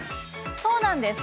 そうなんです。